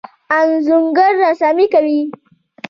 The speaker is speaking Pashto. انځورګر رسامي کوي.